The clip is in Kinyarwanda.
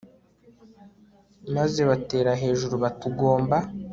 maze batera hejuru bati ugomba